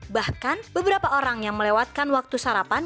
bahkan beberapa orang yang melewatkan waktu sarapan